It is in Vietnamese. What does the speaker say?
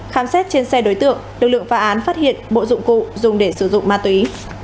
khám xét trên xe đối tượng lực lượng phá án phát hiện bộ dụng cụ dùng để sử dụng ma túy